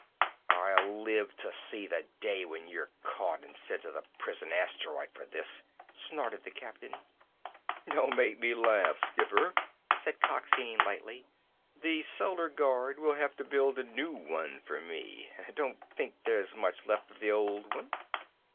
"I'll live to see the day when you're caught and sent to the prison asteroid for this," snorted the captain. "Don't make me laugh, skipper," said Coxine lightly. "The Solar Guard will have to build a new one for me. Don't think there's much left of the old one!"